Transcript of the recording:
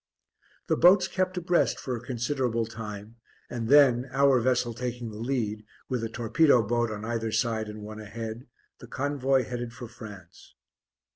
The boats kept abreast for a considerable time and then, our vessel taking the lead, with a torpedo boat on either side and one ahead, the convoy headed for France.